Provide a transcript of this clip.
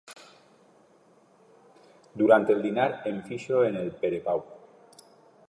Durant el dinar em fixo en el Perepau.